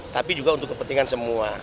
tapi juga untuk kepentingan semua